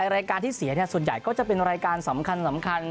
รายการที่เสียส่วนใหญ่ก็จะเป็นรายการสำคัญ